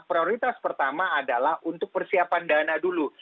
prioritas pertama adalah untuk persiapan dana dulu